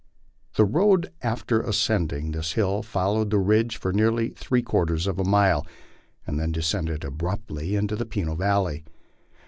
The road after ascending this hill follows the ridge for nearly three quarters of a mile, and then descends abruptly to Peno valley.